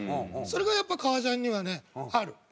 それがやっぱ革ジャンにはねある。